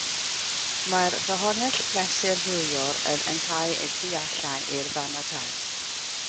Mae'r ffynhonnell pleser rhywiol yn ehangu y tu allan i'r fam a'r tad.